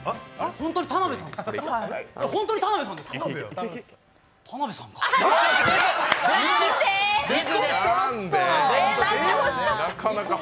本当に田辺さんですか？